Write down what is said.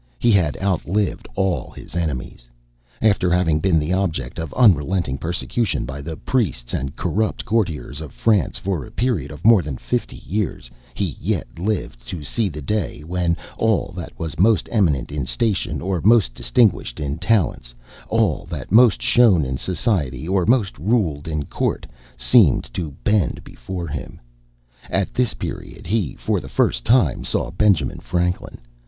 He had outlived all his enemies. After having been the object of unrelenting persecution by the priests and corrupt courtiers of France for a period of more than fifty years, he yet lived to see the day when "all that was most eminent in station or most distinguished in talents all that most shone in society, or most ruled in court, seemed to bend before him." At this period he, for the first time, saw Benjamin Franklin.